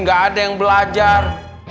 gak ada yang belajar